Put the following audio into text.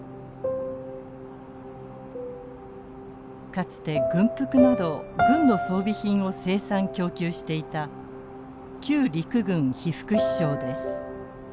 かつて軍服など軍の装備品を生産供給していた旧陸軍被服支廠です。